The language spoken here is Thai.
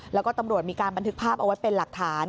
แล้วก็ตำรวจมีการบันทึกภาพเอาไว้เป็นหลักฐาน